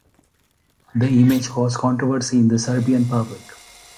The image caused controversy in the Serbian public.